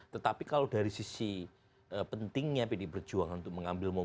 tetapi kalau dari sisi pentingnya pdi perjuangan untuk mengambil